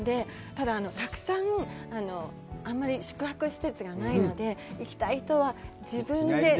ただ、たくさんあんまり宿泊施設がないので、行きたい人は自分で。